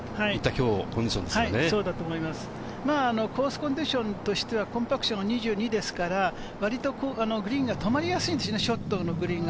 今日のコンディションでコースコンディションとしては、コンパクションの２２ですから、わりとグリーンが止まりやすい、止まりやすいです。